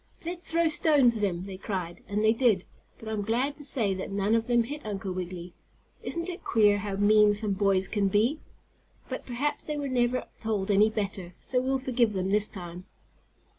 "Let's throw stones at him!" they cried. And they did, but I'm glad to say that none of them hit Uncle Wiggily. Isn't it queer how mean some boys can be? But perhaps they were never told any better, so we'll forgive them this time.